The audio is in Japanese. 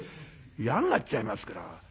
嫌になっちゃいますから。